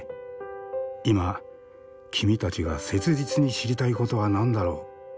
今君たちが切実に知りたいことは何だろう？